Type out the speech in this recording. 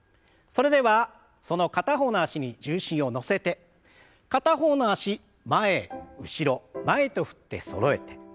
それではその片方の脚に重心を乗せて片方の脚前後ろ前と振ってそろえて。